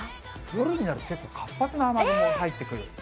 夜になると結構活発な雨雲入ってくる。